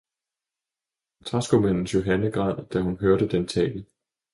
Træskomandens Johanne græd, da hun hørte den tale.